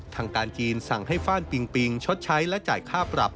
ทางการจีนสั่งให้ฟ่านปิงปิงชดใช้และจ่ายค่าปรับ